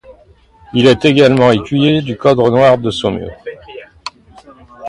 Il est également écuyer du Cadre noir de Saumur.